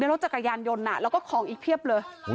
รถจักรยานยนต์แล้วก็ของอีกเพียบเลย